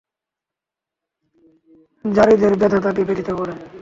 যারীদের ব্যথা তাকে ব্যথিত করে।